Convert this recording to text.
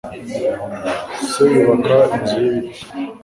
Se yubaka inzu y'ibiti.